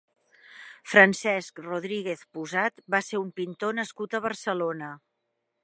Francesc Rodríguez Pusat va ser un pintor nascut a Barcelona.